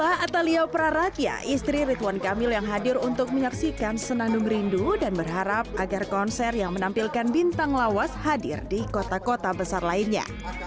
atalia praratia istri rituan kamil yang hadir untuk menyaksikan senandung rindu dan berharap agar konser yang menampilkan bintang lawas hadir di kota kota besar lainnya